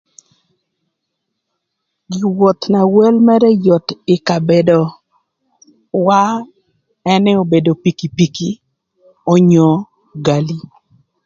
Gi woth na wel mërë yot ï kabedowa ënë obedo pikipiki onyo gali.